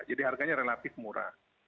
jadi harganya relatif murah